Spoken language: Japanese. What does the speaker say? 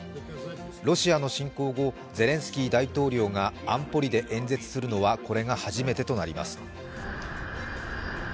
ロシアの侵攻後、ゼレンスキー大統領が安保理で演説するのはこれが初めてとなります。